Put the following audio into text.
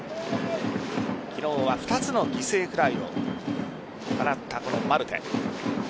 昨日は２つの犠牲フライを放ったマルテ。